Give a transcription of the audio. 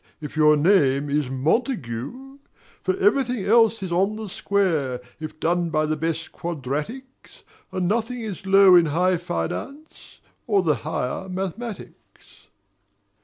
if your name is Montagu: For everything else is on the square If done by the best quadratics; And nothing is low in High Finance Or the Higher Mathematics.